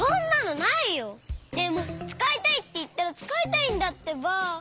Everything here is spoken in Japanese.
でもつかいたいっていったらつかいたいんだってば！